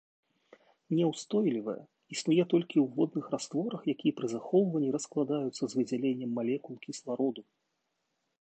Няўстойлівая, існуе толькі ў водных растворах, якія пры захоўванні раскладаюцца з выдзяленнем малекул кіслароду.